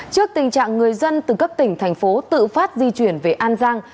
trước tình trạng người dân từ các tỉnh thành phố tự phát di chuyển về an giang